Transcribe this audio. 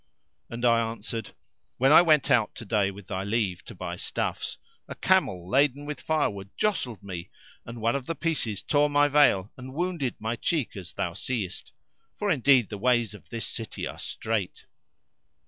And I answered, When I went out to day with thy leave to buy stuffs, a camel laden with firewood jostled me and one of the pieces tore my veil and wounded my cheek as thou seest; for indeed the ways of this city are strait."